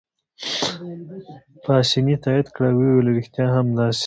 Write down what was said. پاسیني تایید کړه او ویې ویل: ریښتیا هم داسې ده.